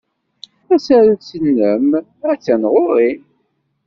Tasarut-nnem attan ɣur-i.